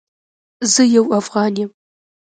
زه یو افغان یم